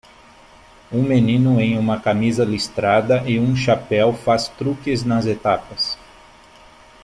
Um menino em uma camisa listrada e um chapéu faz truques nas etapas.